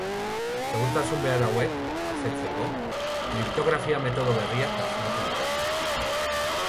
Segurtasun behar hauek asetzeko kriptografia metodo berriak asmatu dira.